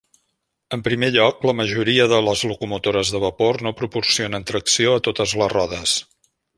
En primer lloc, la majoria de les locomotores de vapor no proporcionen tracció a totes les rodes.